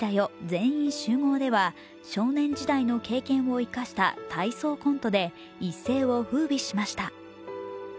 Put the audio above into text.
全員集合」では少年時代の経験を生かした体操コントで一世をふうびしました。